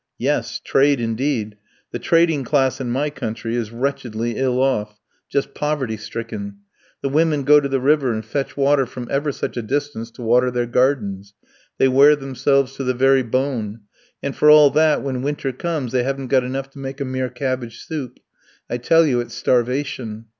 "Yes; trade indeed! The trading class in my country is wretchedly ill off; just poverty stricken. The women go to the river and fetch water from ever such a distance to water their gardens. They wear themselves to the very bone, and, for all that, when winter comes, they haven't got enough to make a mere cabbage soup. I tell you it's starvation.